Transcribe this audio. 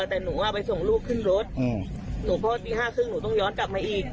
แต่หนูว่าไปส่งลูกขึ้นรถหนูคลอดตีห้าครึ่งหนูต้องย้อนกลับมาอีก